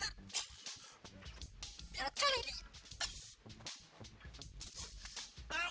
ini broadcasting banyak rugi di pijal dalem